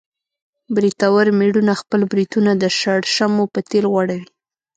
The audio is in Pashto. برېتور مېړونه خپل برېتونه د شړشمو په تېل غوړوي.